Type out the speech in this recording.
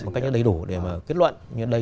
một cách đầy đủ để mà kết luận